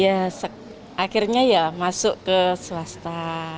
ya akhirnya ya masuk ke swasta